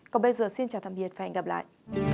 còn bây giờ xin chào tạm biệt và hẹn gặp lại